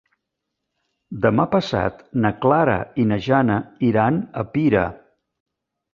Demà passat na Clara i na Jana iran a Pira.